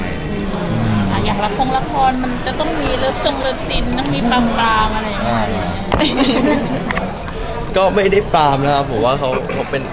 อยากรับพรงละครจะต้องคือลุบสงลูบสิน